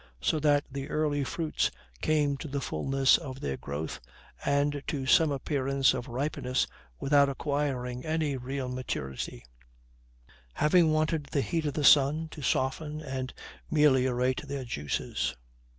So that the early fruits came to the fullness of their growth, and to some appearance of ripeness, without acquiring any real maturity; having wanted the heat of the sun to soften and meliorate their juices.